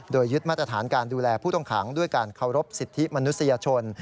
โดยยึดมาตรฐานการดูแลผู้ต้องขังด้วยการเคารพสิทธิมนุษยชน